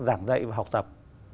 giảng dạy và học tập